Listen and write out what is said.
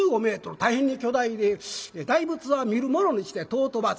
大変に巨大で「大仏は見るものにして尊ばず」。